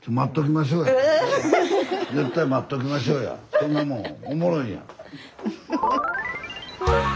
そんなもんおもろいやん。